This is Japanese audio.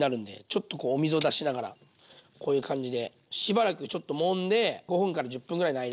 ちょっとこうお水を出しながらこういう感じでしばらくちょっともんで５分１０分ぐらいの間おいときます。